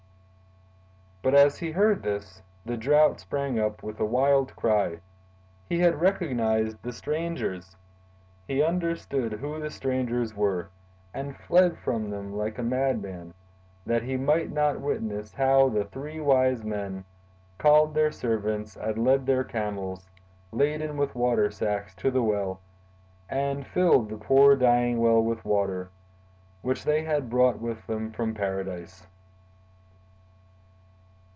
But as he heard this, the Drought sprang up with a wild cry. He had recognized the strangers! He understood who the strangers were, and fled from them like a madman, that he might not witness how The Three Wise Men called their servants and led their camels, laden with water sacks, to the Well and filled the poor dying Well with water, which they had brought with them from Paradise.